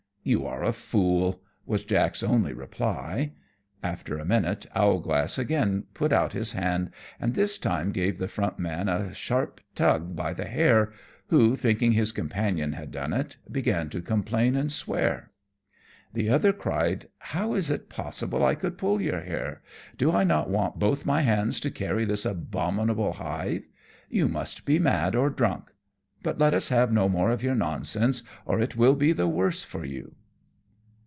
"You are a fool," was Jack's only reply. After a minute Owlglass again put out his hand; and this time gave the front man a sharp tug by the hair, who, thinking his companion had done it, began to complain and swear. The other cried, "How is it possible I could pull your hair? Do I not want both my hands to carry this abominable hive? You must be mad or drunk; but let us have no more of your nonsense, or it will be the worse for you."